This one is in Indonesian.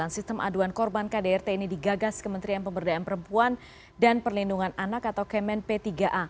sistem aduan korban kdrt ini digagas kementerian pemberdayaan perempuan dan perlindungan anak atau kemen p tiga a